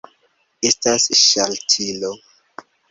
Estas ŝaltilo.